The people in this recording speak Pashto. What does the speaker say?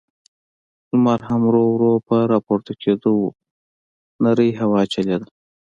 لمر هم ورو، ورو په راپورته کېدو و، نرۍ هوا چلېده.